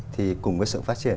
thì cùng với sự phát triển